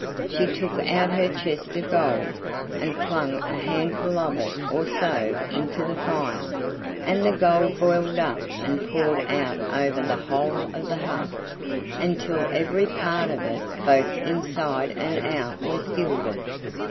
She took out her chest of gold, and flung a handful of it or so into the fire, and the gold boiled up and poured out over the whole of the hut, until every part of it both inside and out was gilded.